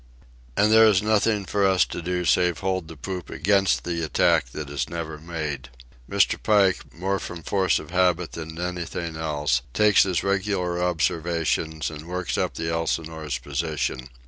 And there is nothing for us to do save hold the poop against the attack that is never made. Mr. Pike, more from force of habit than anything else, takes his regular observations and works up the Elsinore's position.